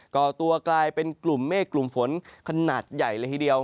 ก่อตัวกลายเป็นกลุ่มเมฆกลุ่มฝนขนาดใหญ่เลยทีเดียว